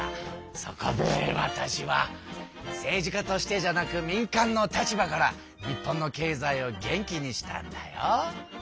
そこでわたしは政治家としてじゃなく民間の立場から日本の経済を元気にしたんだよ。